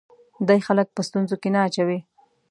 دی خلک په ستونزو کې نه اچوي.